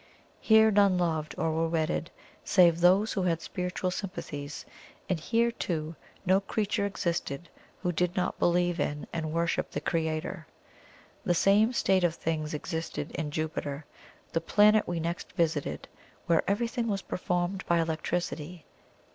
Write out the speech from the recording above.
Here, none loved or were wedded save those who had spiritual sympathies, and here, too, no creature existed who did not believe in and worship the Creator. The same state of things existed in Jupiter, the planet we next visited, where everything was performed by electricity.